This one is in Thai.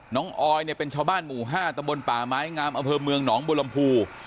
น้องออยเนี่ยเป็นชาวบ้านหมู่ห้าตระบวนป่าไม้งามอเภอเมืองหนองบลำพู